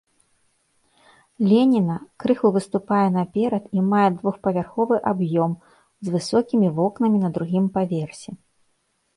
Леніна, крыху выступае наперад і мае двухпавярховы аб'ём з высокімі вокнамі на другім паверсе.